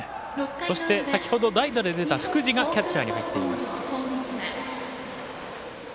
そして先ほど代打で出た福地がキャッチャーに入っています。